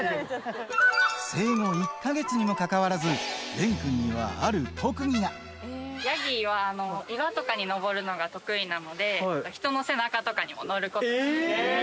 生後１か月にもかかわらず、ヤギは岩とかに登るのが得意なので、人の背中とかにも乗ることができます。